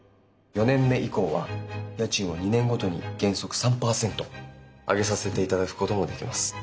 ４年目以降は家賃を２年ごとに原則３％上げさせていただくこともできます。